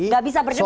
gak bisa berdebat